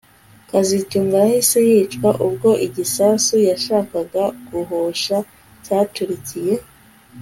kazitunga yahise yicwa ubwo igisasu yashakaga guhosha cyaturikiye